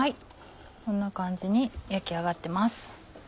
こんな感じに焼き上がってます。